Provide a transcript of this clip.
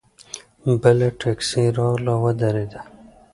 بله ټیکسي راغله ودرېده.